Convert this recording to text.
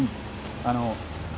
あの。